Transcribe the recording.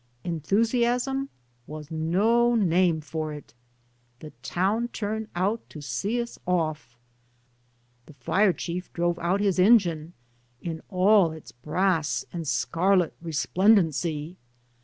Enthusiasm was no name for it I The town turned out to see us off; the fire chief drove out his engine in all its brass and scarlet resplendency.